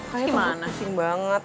kayaknya tuh gue pusing banget